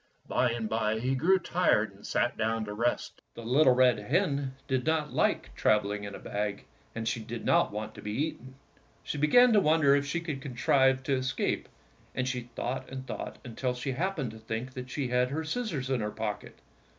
By and by he grew tired and sat down to rest. The little red hen did not like travel ing in a bag, and she did not want to be eaten. She began to wonder if she could contrive to escape, and she thought and thought until she happened to think that she had her scis sors in her pocket.